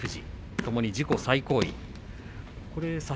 ともに自己最高位です。